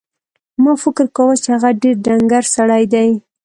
ما فکر کاوه چې هغه ډېر ډنګر سړی دی.